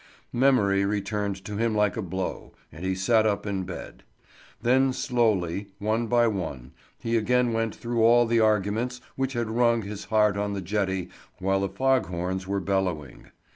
Memory returned to him like a blow, and he sat up in bed. Then slowly, one by one, he again went through all the arguments which had wrung his heart on the jetty while the fog horns were bellowing.